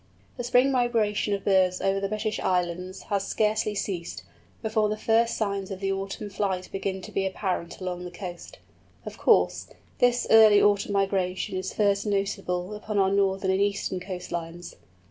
The spring migration of birds over the British Islands has scarcely ceased, before the first signs of the autumn flight begin to be apparent along the coast. Of course, this early autumn migration is first noticeable upon our northern and eastern coast lines.